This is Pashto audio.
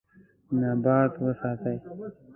نبات وساتئ.